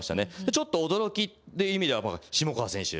ちょっと驚きという意味では、下川選手。